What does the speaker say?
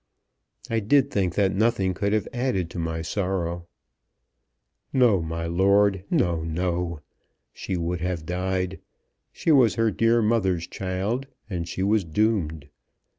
"I did think that nothing could have added to my sorrow." "No, my lord; no, no. She would have died. She was her dear mother's child, and she was doomed.